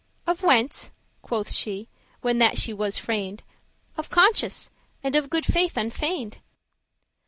"Of whence?" quoth she, when that she was freined,* *asked "Of conscience, and of good faith unfeigned."